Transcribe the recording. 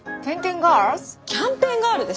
キャンペーンガールです。